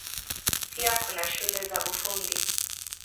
Pia kuna shule za Ufundi.